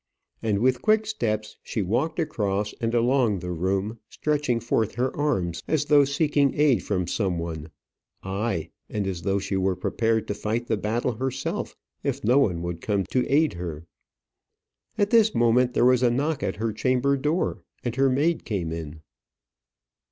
And with quick steps she walked across and along the room, stretching forth her arms as though seeking aid from some one; ay, and as though she were prepared to fight the battle herself if no one would come to aid her. At this moment there was a knock at her chamber door, and her maid came in.